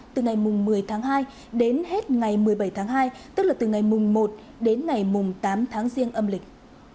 từ ngày một mươi tháng hai đến hết ngày một mươi bảy tháng hai tức là từ ngày mùng một đến ngày mùng tám tháng riêng âm lịch